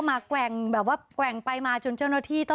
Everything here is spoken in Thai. แต่ว่าแกร่งไปมาจนเจ้าหน้าที่